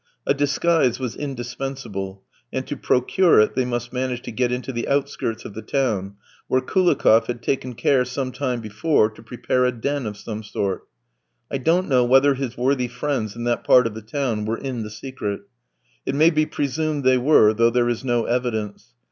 A disguise was indispensable, and to procure it they must manage to get into the outskirts of the town, where Koulikoff had taken care some time before to prepare a den of some sort. I don't know whether his worthy friends in that part of the town were in the secret. It may be presumed they were, though there is no evidence.